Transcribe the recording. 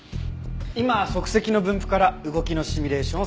今足跡の分布から動きのシミュレーションを作成中。